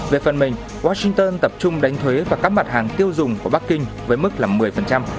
về phần mình washington tập trung đánh thuế và các mặt hàng tiêu dùng của bắc kinh với mức là một mươi